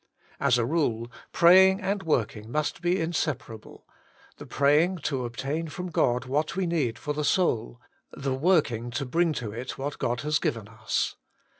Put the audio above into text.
As a rule, praying and working must be inseparable — the praying to obtain from God what we need for the soul; the working to bring to it what God has given us.